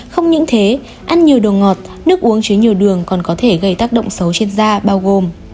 không những thế ăn nhiều đồ ngọt nước uống chứa nhiều đường còn có thể gây tác động xấu trên da bao gồm